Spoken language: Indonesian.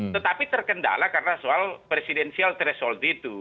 tetapi terkendala karena soal presidensial threshold itu